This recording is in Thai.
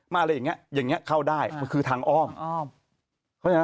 มาอะไรอย่างเงี้ยอย่างเงี้ยเข้าได้